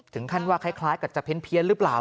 ถึงขั้นว่าคล้ายกับจะเพี้ยนหรือเปล่า